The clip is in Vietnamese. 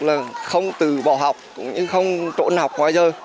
là không tự bỏ học cũng như không trộn học hoài dơ